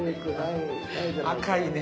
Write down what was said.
赤いね。